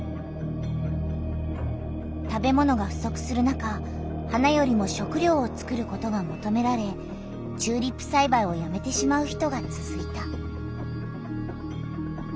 食べ物がふそくする中花よりも食りょうをつくることがもとめられチューリップさいばいをやめてしまう人がつづいた。